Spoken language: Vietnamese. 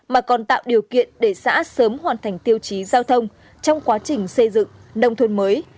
mà còn tạo điều kiện để xã sớm hoàn thành tiêu chí giao thông trong quá trình xây dựng nông thôn mới